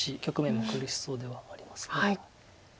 局面も苦しそうではあります。